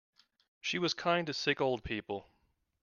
She was kind to sick old people.